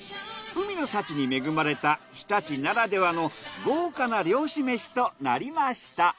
海の幸に恵まれた日立ならではの豪華な漁師めしとなりました。